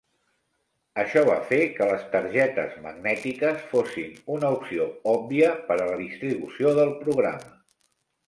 Això va fer que les targetes magnètiques fossin una opció òbvia per a la distribució del programa.